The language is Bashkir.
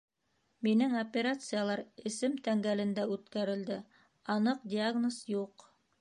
Минең операциялар эсем тәңгәлендә үткәрелде, аныҡ диагноз юҡ.